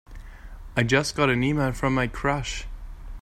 I just got an e-mail from my crush!